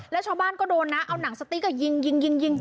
แล้วชาวบ้านก็โดนน่ะเอาหนังสติกอ่ะยิงยิงยิงยิง